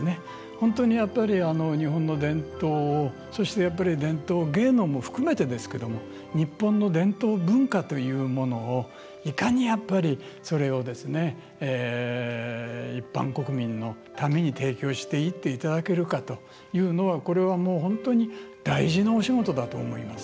本当に、やっぱり日本の伝統をそしてやっぱり伝統芸能も含めてですけども日本の伝統文化というものをいかにやっぱりそれを一般国民のために提供していっていただけるかというのはこれはもう本当に大事なお仕事だと思います。